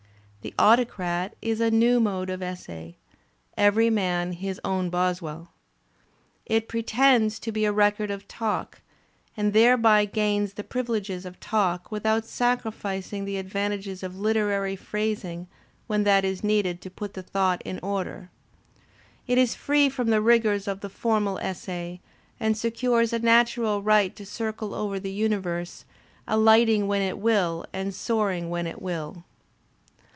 "The Autocrat" is a new mode of essay, "every man his own Boswell." It pretends to be a record of talk, and there by gains the privileges of talk without sacrificing the advan tages of literary phrasing when that is needed to put the thought in order. It is free from the rigours of the formal essay and secures a natural right to circle over the universe, alighting when it will and soaring when it will.